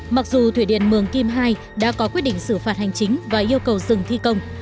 mặc dù thủy điện mường kim ii đã có quyết định xử phạt hành chính và yêu cầu dừng thi công